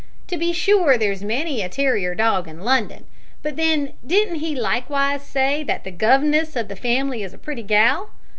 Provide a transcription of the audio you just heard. To be sure there's many a terrier dog in London, but then didn't he likewise say that the gov'ness o' the family is a pretty gal?